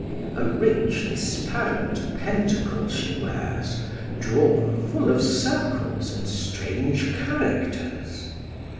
A rich disparent pentacle she wears, Drawn full of circles and strange characters.